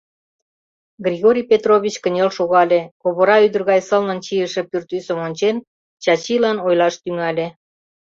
Григорий Петрович кынел шогале, ковыра ӱдыр гай сылнын чийыше пӱртӱсым ончен, Чачилан ойлаш тӱҥале: